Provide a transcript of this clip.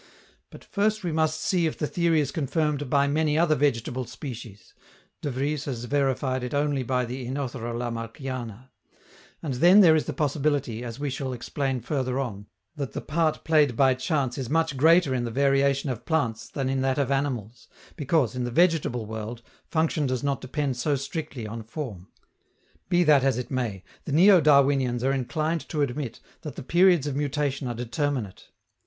But, first we must see if the theory is confirmed by many other vegetable species (De Vries has verified it only by the OEnothera Lamarckiana), and then there is the possibility, as we shall explain further on, that the part played by chance is much greater in the variation of plants than in that of animals, because, in the vegetable world, function does not depend so strictly on form. Be that as it may, the neo Darwinians are inclined to admit that the periods of mutation are determinate.